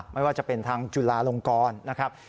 ไม่ว่าจะเป็นทางจุลาลงกรนะครับ